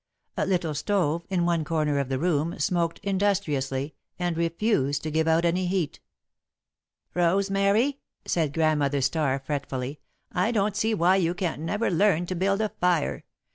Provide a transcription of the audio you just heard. A little stove, in one corner of the room, smoked industriously and refused to give out any heat. "Rosemary," said Grandmother Starr, fretfully, "I don't see why you can't never learn to build a fire.